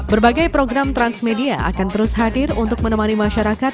berbagai program transmedia akan terus hadir untuk mencari penyelidikan dan mencari penyelidikan